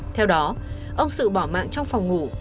theo đó ông dự bỏ mạng trong phòng ngủ